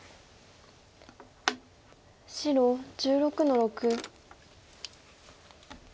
白１６の六。